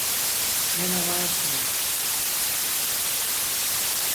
Nena var eşimels.